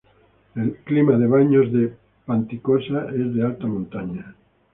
El clima de Baños de Panticosa es de alta montaña.